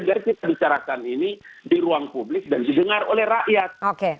biar kita bicarakan ini di ruang publik dan didengar oleh rakyat